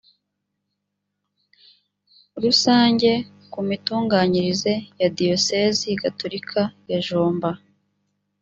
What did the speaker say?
rusange ku mitunganyirize ya diyosezi gatolika ya jomba